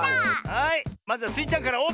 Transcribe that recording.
はいまずはスイちゃんからオープン！